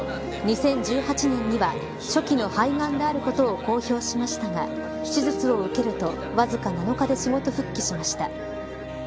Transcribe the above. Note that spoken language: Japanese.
２０１８年には初期の肺がんであることを公表しましたが手術を受けると、わずか７日で仕事に復帰しました。